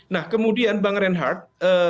nah kemudian bang reinhardt